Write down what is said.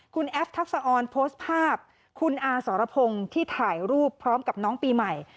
คุณแอฟทักษะออนโพสต์ภาพคุณอาสรพงศ์ที่ถ่ายรูปพร้อมกับน้องปีใหม่